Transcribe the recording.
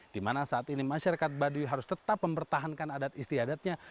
di mana saat ini masyarakat baduy harus tetap mempertahankan adat istiadatnya